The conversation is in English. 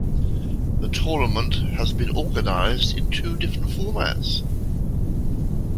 The tournament has been organised in two different formats.